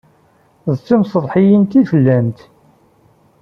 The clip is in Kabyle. D timsetḥiyin i tellamt?